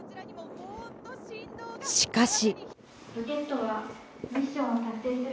しかし。